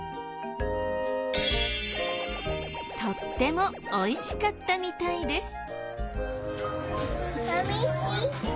とってもおいしかったみたいです。